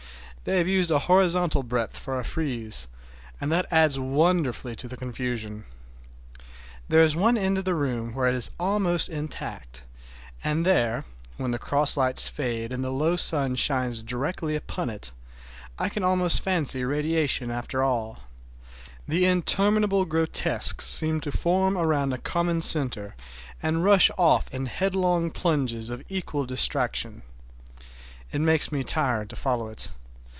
They have used a horizontal breadth for a frieze, and that adds wonderfully to the confusion. There is one end of the room where it is almost intact, and there, when the cross lights fade and the low sun shines directly upon it, I can almost fancy radiation after all,—the interminable grotesques seem to form around a common centre and rush off in headlong plunges of equal distraction. It makes me tired to follow it.